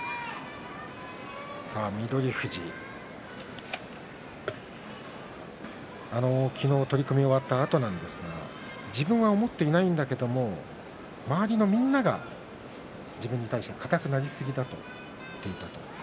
翠富士、昨日取組終わったあとなんですが自分は思っていないんだけれども周りのみんなが自分に対して硬くなりすぎたと言っていたと。